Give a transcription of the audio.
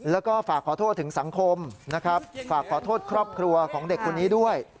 แล้วก็ฝากขอโทษถึงสังคมนะครับฝากขอโทษครอบครัวของเด็กคนนี้ด้วย